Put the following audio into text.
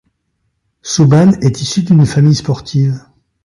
Subban est issu d'une famille sportive.